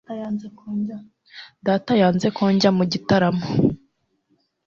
Data yanze ko njya mu gitaramo.